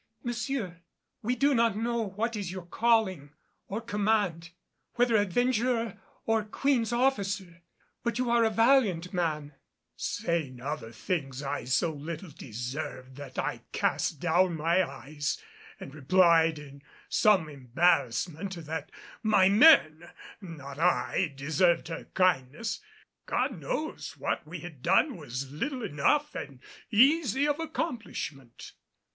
"Monsieur, we do not know what is your calling or command whether adventurer or Queen's officer but you are a valiant man," saying other things I so little deserved that I cast down my eyes and replied in some embarrassment that my men, not I, deserved her kindness God knows what we had done was little enough and easy of accomplishment.